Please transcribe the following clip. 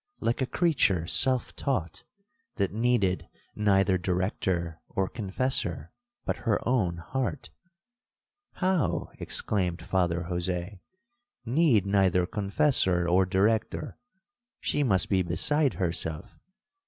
—like a creature self taught, that needed neither director or confessor but her own heart.'—'How!' exclaimed Father Jose, 'need neither confessor or director!—she must be beside herself.'